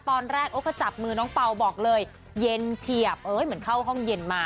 ตอนแรกก็จับมือน้องเปล่าบอกเลยเย็นเฉียบเหมือนเข้าห้องเย็นมา